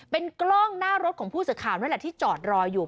เป็นกล้องหน้ารถของผู้สื่อข่าวนั่นแหละที่จอดรออยู่